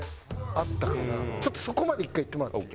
ちょっとそこまで１回言ってもらっていい？